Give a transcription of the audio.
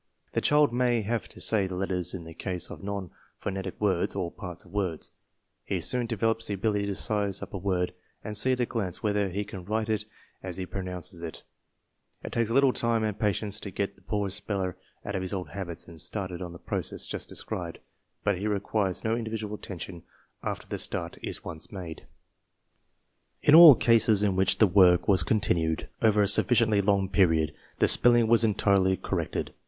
The child may have to say the letters in the case of non phonetic words or parts of words. He soon develops the ability to size up a word and see at a glance whether he can write it as he pronounces it. It takes a little time and patience to get the poor speller out of his old habits and started on the process just described, but he requires no individual attention after the start is once made. 106 TESTS AND SCHOOL REORGANIZATION In all cases in which the work was continued over a sufficiently long period the spelling was entirely cor rected.